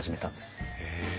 へえ。